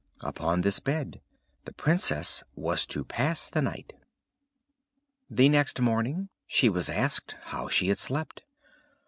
Upon this bed the Princess was to pass the night. The next morning she was asked how she had slept.